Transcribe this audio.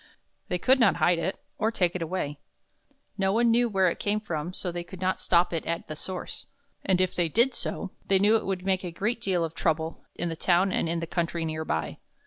They could not hide it or take it away. No one knew just where it came from, so they could not stop it at the source; and if they did so, they knew that it would make a great deal of trouble in the town and in the country near by.